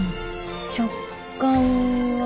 食感は。